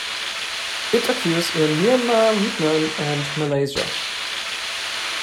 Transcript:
It occurs in Myanmar, Vietnam and Malaysia.